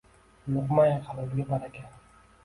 Luqmai halolga baraka